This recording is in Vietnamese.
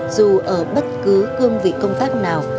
dù ở bất cứ cương vị công tác nào